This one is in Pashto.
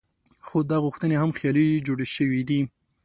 خو دا غوښتنې هم خیالي جوړې شوې دي.